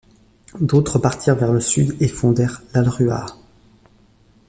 D'autres partirent vers le sud et fondèrent l'Halruaa.